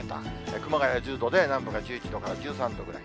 熊谷１０度で、南部が１１度から１３度ぐらい。